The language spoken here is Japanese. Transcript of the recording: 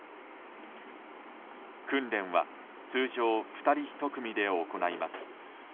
訓練は通常２人１組で行います。